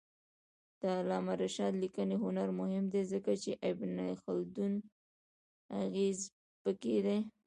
د علامه رشاد لیکنی هنر مهم دی ځکه چې ابن خلدون اغېز پکې دی.